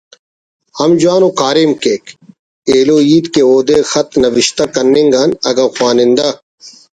ہم جوان ءُ کاریم کیک ایلوہیت کہ اودے خط نوشتہ کننگ آن (اگہ خوانند ہ